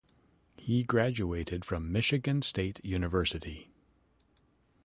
He graduated from Michigan State University.